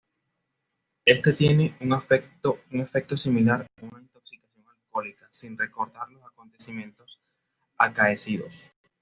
Este tiene un efecto similar a una intoxicación alcohólica sin recordar los acontecimientos acaecidos.